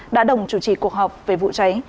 đã đồng chủ trì cuộc họp về vụ cháy